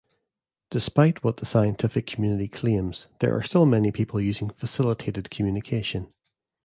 Despite what the scientific community claims, there are still many people using facilitated communication.